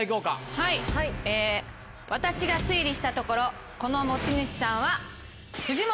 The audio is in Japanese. はい私が推理したところこの持ち主さんは。